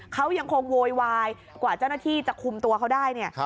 เขายังคงโวยวายกว่าเจ้าหน้าที่จะคุมตัวเขาได้เนี่ย